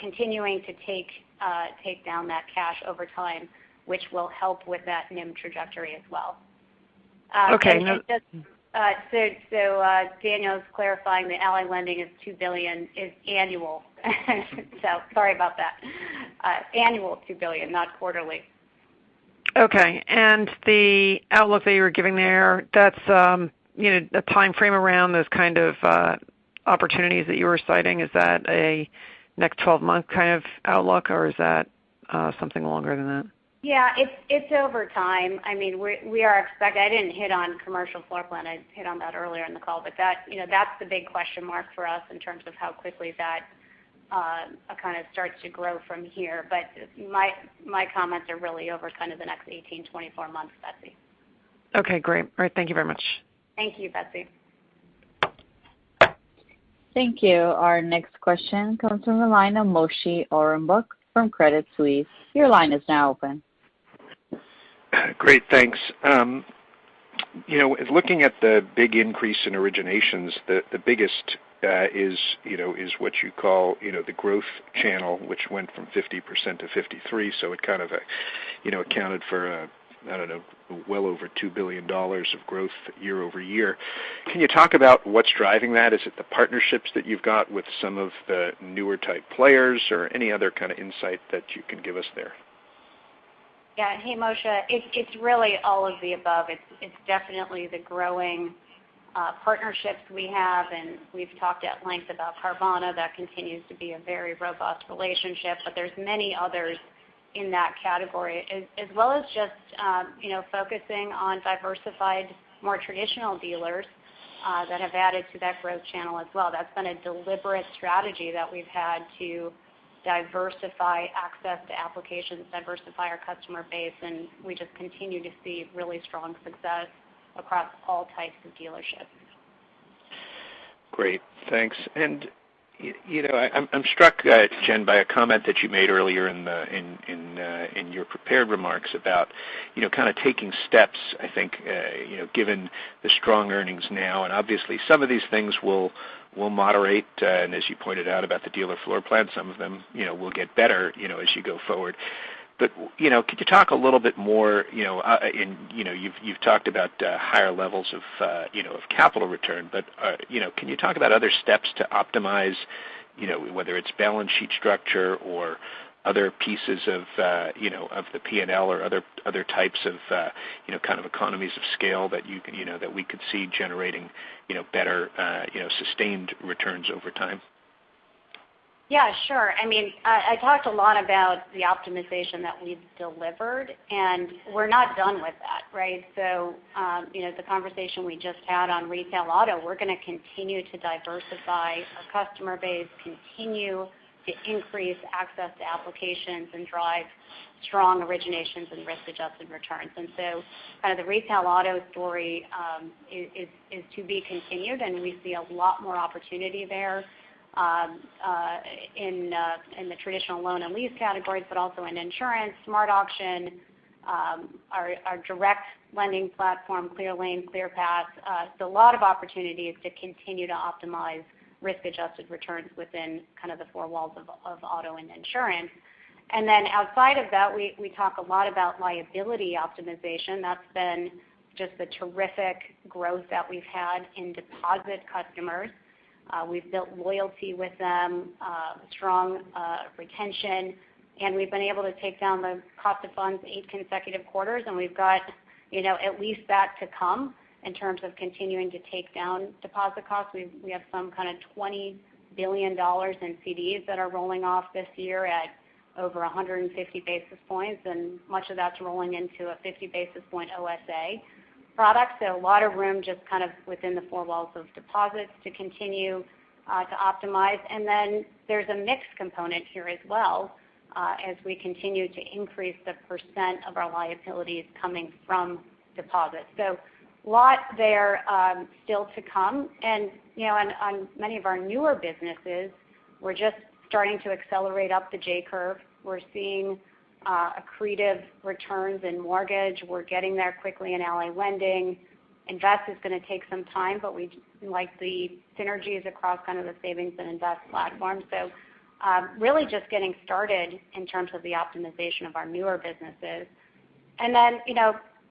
continuing to take down that cash over time, which will help with that NIM trajectory as well. Okay- Daniel's clarifying the Ally Lending is $2 billion is annual. Sorry about that. Annual is $2 billion, not quarterly. Okay. The outlook that you were giving there, that timeframe around those kind of opportunities that you were citing, is that a next 12-month kind of outlook, or is that something longer than that? Yeah. It's over time. I didn't hit on commercial floor plan. I hit on that earlier in the call. That's the big question mark for us in terms of how quickly that kind of starts to grow from here. My comments are really over kind of the next 18-24 months, Betsy. Okay, great. All right. Thank you very much. Thank you, Betsy. Thank you. Our next question comes from the line of Moshe Orenbuch from Credit Suisse. Your line is now open. Great, thanks. Looking at the big increase in originations, the biggest is what you call the growth channel, which went from 50%-53%. It kind of accounted for, I don't know, well over $2 billion of growth year-over-year. Can you talk about what's driving that? Is it the partnerships that you've got with some of the newer type players, or any other kind of insight that you can give us there? Hey, Moshe. It's really all of the above. It's definitely the growing partnerships we have. We've talked at length about Carvana. That continues to be a very robust relationship. There's many others in that category, as well as just focusing on diversified, more traditional dealers that have added to that growth channel as well. That's been a deliberate strategy that we've had to diversify access to applications, diversify our customer base. We just continue to see really strong success across all types of dealerships. Great, thanks. I'm struck, Jenn, by a comment that you made earlier in your prepared remarks about kind of taking steps, I think, given the strong earnings now. Obviously, some of these things will moderate, and as you pointed out about the dealer floor plan, some of them will get better as you go forward. Could you talk a little bit more, you've talked about higher levels of capital return, but can you talk about other steps to optimize whether it's balance sheet structure or other pieces of the P&L other types of economies of scale that we could see generating better sustained returns over time? Yeah, sure. I talked a lot about the optimization that we've delivered, and we're not done with that, right? The conversation we just had on retail auto, we're going to continue to diversify our customer base, continue to increase access to applications, and drive strong originations and risk-adjusted returns. Kind of the retail auto story is to be continued, and we see a lot more opportunity there in the traditional loan and lease categories, but also in insurance, SmartAuction, our direct lending platform, Clearlane, ClearPath. A lot of opportunities to continue to optimize risk-adjusted returns within kind of the four walls of auto and insurance. Outside of that, we talk a lot about liability optimization. That's been just the terrific growth that we've had in deposit customers. We've built loyalty with them, strong retention, and we've been able to take down the cost of funds eight consecutive quarters, and we've got at least that to come in terms of continuing to take down deposit costs. We have some kind of $20 billion in CDs that are rolling off this year at over 150 basis points, and much of that's rolling into a 50 basis point OSA product. A lot of room just kind of within the four walls of deposits to continue to optimize. Then there's a mix component here as well, as we continue to increase the percent of our liabilities coming from deposits. A lot there still to come. On many of our newer businesses, we're just starting to accelerate up the J curve. We're seeing accretive returns in mortgage. We're getting there quickly in Ally Lending. Invest is going to take some time, but we like the synergies across kind of the savings and invest platforms. Really just getting started in terms of the optimization of our newer businesses. Then,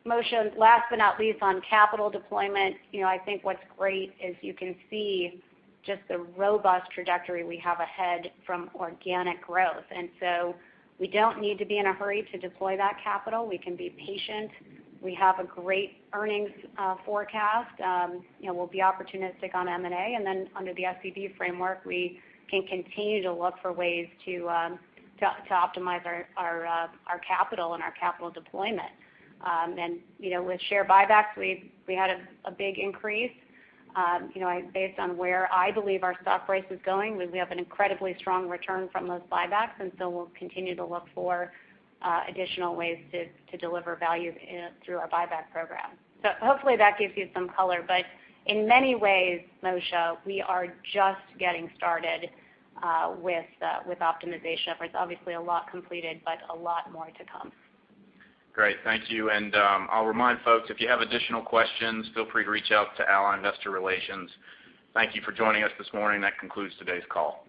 Moshe, last but not least, on capital deployment, I think what's great is you can see just the robust trajectory we have ahead from organic growth. We don't need to be in a hurry to deploy that capital. We can be patient. We have a great earnings forecast. We'll be opportunistic on M&A, and then under the SCB framework, we can continue to look for ways to optimize our capital and our capital deployment. With share buybacks, we had a big increase. Based on where I believe our stock price is going, we have an incredibly strong return from those buybacks, we'll continue to look for additional ways to deliver value through our buyback program. Hopefully that gives you some color. In many ways, Moshe, we are just getting started with optimization. There's obviously a lot completed, but a lot more to come. Great. Thank you. I'll remind folks, if you have additional questions, feel free to reach out to Ally Investor Relations. Thank you for joining us this morning. That concludes today's call.